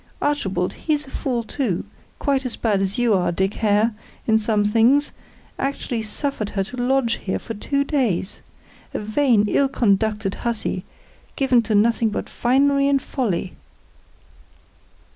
Archibald, he's a fool too, quite as bad a you are, Dick Hare, in some things actually suffered her to lodge here for two days! A vain, ill conducted hussy, given to nothing but finery and folly!"